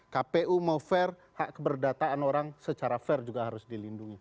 kpu mau fair hak keberdataan orang secara fair juga harus dilindungi